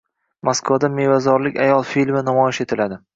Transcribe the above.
Moskvada Mevazorlik ayol filmi namoyish etiladi